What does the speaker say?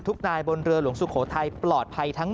ทำให้เครื่องยนต์ไม่สามารถเดินได้นะครับ